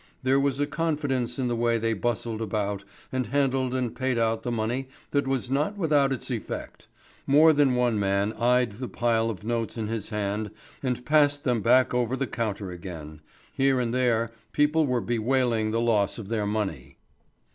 There was a confidence in the way they bustled about and handled and paid out the money that was not without its effect. More than one man eyed the pile of notes in his hand and passed them back over the counter again. Here and there people were bewailing the loss of their money.